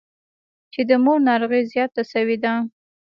چې د مور ناروغي زياته سوې ده.